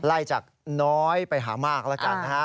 ไล่จากน้อยไปหามากแล้วกันนะฮะ